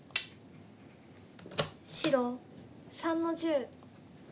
白３の十。